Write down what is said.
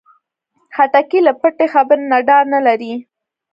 خټکی له پټې خبرې نه ډار نه لري.